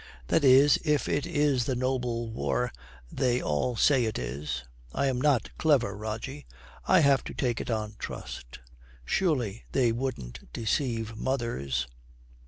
That is, if it is the noble war they all say it is. I'm not clever, Rogie, I have to take it on trust. Surely they wouldn't deceive mothers.